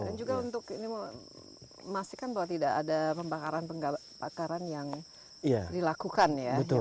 dan juga untuk memastikan bahwa tidak ada pembakaran pembakaran yang dilakukan ya